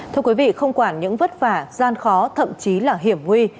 thưa quý vị không quản những vất vả gian khó thậm chí là hiểm nguy